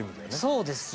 そうですね。